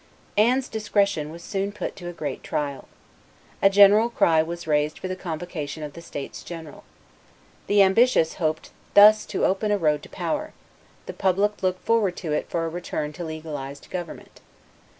Anne's discretion was soon put to a great trial. A general cry was raised for the convocation of the states general. The ambitious hoped thus to open a road to power; the public looked forward to it for a return to legalized government.